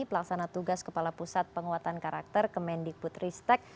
pelaksana tugas kepala pusat penguatan karakter kemendik putri stek